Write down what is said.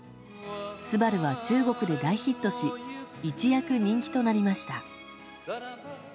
「昴‐すばる‐」は中国で大ヒットし一躍、人気となりました。